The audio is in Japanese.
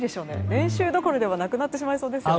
練習どころではなくなってしまいそうですね。